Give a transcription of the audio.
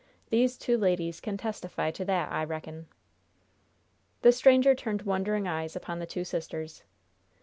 These two ladies can testify to that, I reckon." The stranger turned wondering eyes upon the two sisters.